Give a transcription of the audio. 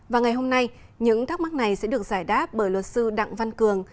và ngày hôm nay những thắc mắc này sẽ được giải đáp bởi luật sư đặng văn cường